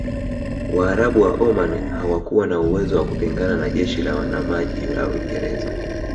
Waarabu wa Omani hawakuwa na uwezo wa kupingana na jeshi la wanamaji la Uingereza